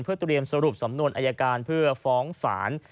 เพื่อเตรียมสรุปสำนวนอายการเพื่อฟ้องศาล